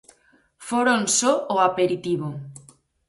Foron só o aperitivo.